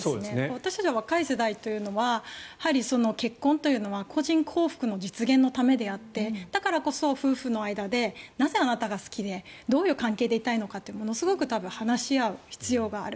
私より若い世代というのは結婚というのは個人幸福の実現のためであってだからこそ夫婦の間でなぜ、あなたが好きでどういう関係でいたいのかをものすごく多分、話し合う必要がある。